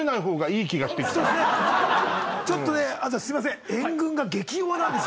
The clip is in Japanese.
ちょっとね安藤さんすいません。